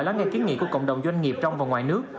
lắng nghe kiến nghị của cộng đồng doanh nghiệp trong và ngoài nước